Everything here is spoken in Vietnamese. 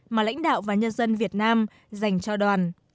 mà lãnh đạo và nhân dân việt nam dành cho đoàn